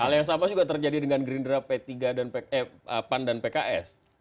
hal yang sama juga terjadi dengan gerindra p tiga pan dan pks